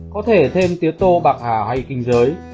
có thể thêm tía tô bạc hà hay kinh giới